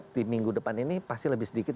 di minggu depan ini pasti lebih sedikit